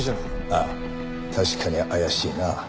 ああ確かに怪しいな。